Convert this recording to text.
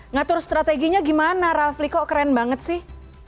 ngatur strateginya gimana rafli kok keren banget sih